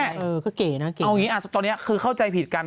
เออก็เก๋นะเก่งเอาอย่างนี้ตอนนี้คือเข้าใจผิดกัน